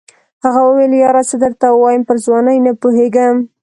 هغه وویل یاره څه درته ووایم پر ځوانۍ نه پوهېږم.